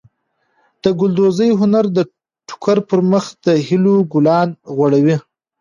د ګلدوزۍ هنر د ټوکر پر مخ د هیلو ګلان غوړوي.